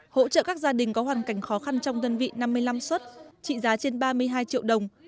hỗ trợ các gia đình có hoàn cảnh khó khăn trong đơn vị năm mươi năm xuất trị giá trên ba mươi hai triệu đồng